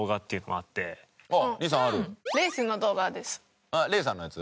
あっ冷さんのやつ？